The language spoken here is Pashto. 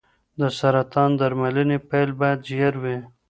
د سرطان درملنې پیل باید ژر وي.